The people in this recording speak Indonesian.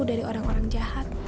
dari orang orang jahat